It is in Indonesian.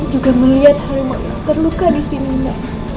ibu juga melihat harimau terluka disininya